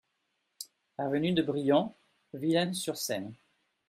Avenue de Briens, Villennes-sur-Seine